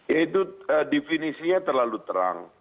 ya itu definisinya terlalu terang